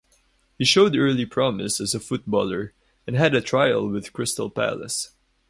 He showed early promise as a footballer, and had a trial with Crystal Palace.